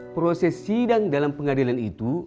proses sidang dalam pengadilan itu